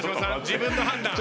自分の判断。